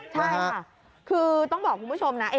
ใช่ค่ะคือต้องบอกคุณผู้ชมนะ